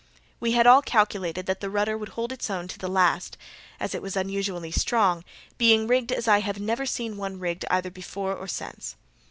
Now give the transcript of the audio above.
We had all calculated that the rudder would hold its own to the last, as it was unusually strong, being rigged as I have never seen one rigged either before or since.